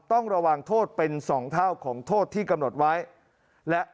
ต้องระวังโทษเป็นสองเท่าของโทษที่กำหนดไว้และ